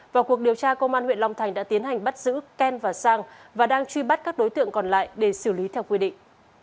vào cuộc điều tra công an huyện long thành đã tiến hành bắt giữ ken và sang và đang truy bắt các đối tượng còn lại để xử lý theo quy định